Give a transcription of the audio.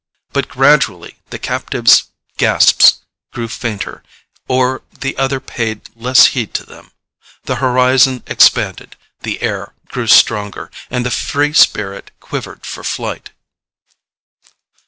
But gradually the captive's gasps grew fainter, or the other paid less heed to them: the horizon expanded, the air grew stronger, and the free spirit quivered for flight.